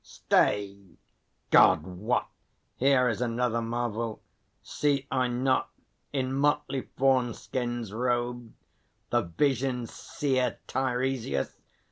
Stay! God wot, Here is another marvel! See I not In motley fawn skins robed the vision seer Teiresias?